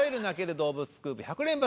動物スクープ１００連発」